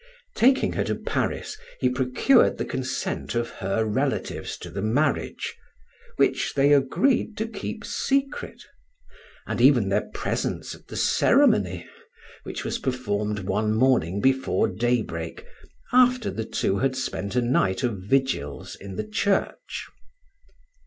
Taking her to Paris, he procured the consent of her relatives to the marriage (which they agreed to keep secret), and even their presence at the ceremony, which was performed one morning before daybreak, after the two had spent a night of vigils in the church.